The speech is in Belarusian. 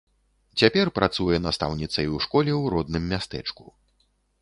Цяпер працуе настаўніцай у школе ў родным мястэчку.